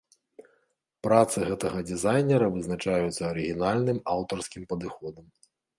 Працы гэтага дызайнера вызначаюцца арыгінальным аўтарскім падыходам.